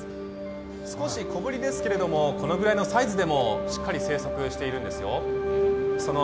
少し小ぶりですけど、このぐらいのサイズでもしっかり生息しているんですよん。